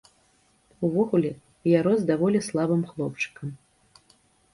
Увогуле, я рос даволі слабым хлопчыкам.